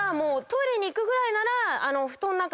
トイレに行くぐらいなら。